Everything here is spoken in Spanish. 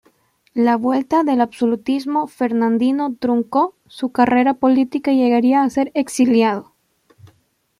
La vuelta del absolutismo fernandino truncó su carrera política y llegaría a ser exiliado.